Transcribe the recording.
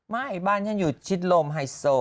บ้านฉันอยู่ชิดลมไฮโซ